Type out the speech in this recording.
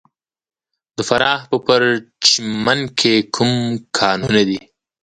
د فراه په پرچمن کې کوم کانونه دي؟